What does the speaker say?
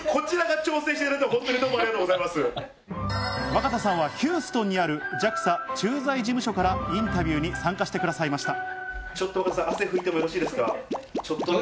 若田さんはヒューストンにあるＪＡＸＡ駐在事務所からインタビューに参加してくださいました。